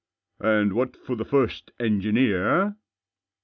"And what for the first engineer?"